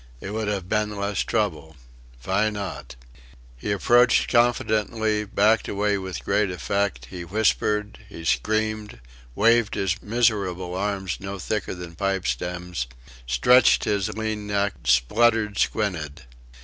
It would 'ave been less trouble. Vy not?" He advanced confidentially, backed away with great effect; he whispered, he screamed, waved his miserable arms no thicker than pipe stems stretched his lean neck spluttered squinted.